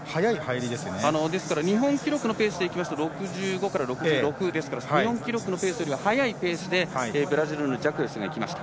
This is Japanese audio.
日本記録のペースでいうと６５から６６ですから日本記録のペースより速いペースでブラジルのジャクエスが行きました。